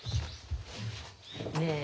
ねえ。